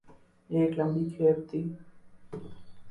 ایک لمبی کھیپ تھی۔